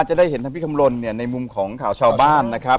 จะได้เห็นทางพี่คำลนเนี่ยในมุมของข่าวชาวบ้านนะครับ